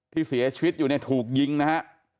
ที่เสียชีวิตอยู่เนี่ยถูกยิงนะฮะ